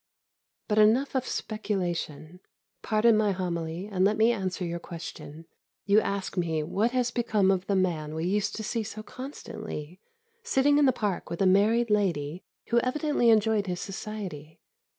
But enough of speculation. Pardon my homily, and let me answer your question. You ask me what has become of the man we used to see so constantly, sitting in the Park with a married lady who evidently enjoyed his society.